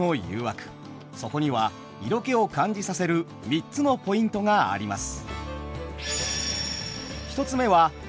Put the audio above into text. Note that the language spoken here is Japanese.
そこには色気を感じさせる３つのポイントがあります。